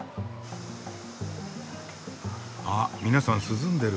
あ皆さん涼んでる。